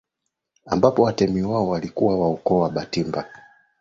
ambapo watemi wao walikuwa wa ukoo wa Bhatimba